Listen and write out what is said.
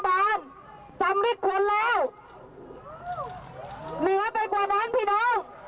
เราได้ยื่นนังสือให้ปริวิตจันโอชาลาออก